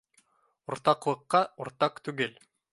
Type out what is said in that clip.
— Уртаҡлыҡҡа уртаҡ түгел